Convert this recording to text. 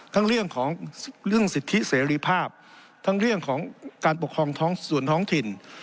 เรื่องของเรื่องสิทธิเสรีภาพทั้งเรื่องของการปกครองท้องส่วนท้องถิ่น